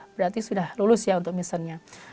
berarti sudah lulus ya untuk missionnya